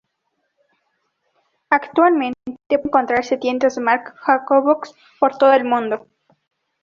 Actualmente, pueden encontrarse tiendas de Marc Jacobs por todo el mundo.